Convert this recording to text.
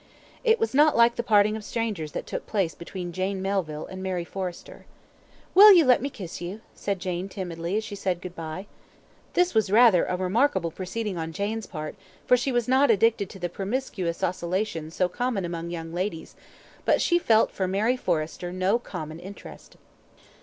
It was not like the parting of strangers that took place between Jane Melville and Mary Forrester. "Will you let me kiss you?" said Jane, timidly, as she said good bye. This was rather a remarkable proceeding on Jane's part, for she was not addicted to the promiscuous osculation so common among young ladies, but she felt for Mary Forrester no common interest.